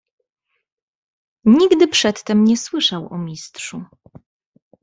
"Nigdy przedtem nie słyszał o Mistrzu."